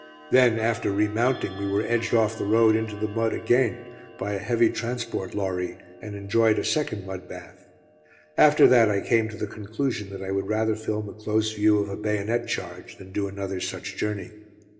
Then after remounting, we were edged off the road into the mud again by a heavy transport lorry, and enjoyed a second mud bath. After that I came to the conclusion that I would rather film a close view of a bayonet charge than do another such journey.